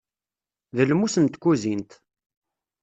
D lmus n tkuzint.